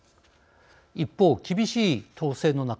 一方、厳しい統制の中